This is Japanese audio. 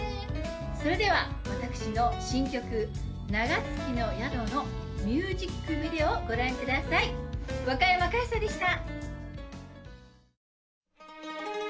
それでは私の新曲「長月の宿」のミュージックビデオをご覧ください若山かずさでした